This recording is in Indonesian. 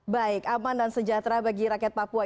baik aman dan sejahtera bagi rakyat papua